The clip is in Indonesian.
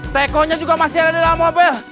tekonya juga masih ada di dalam mobil